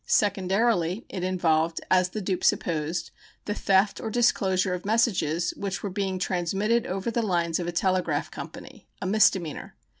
Secondarily it involved, as the dupe supposed, the theft or disclosure of messages which were being transmitted over the lines of a telegraph company a misdemeanor.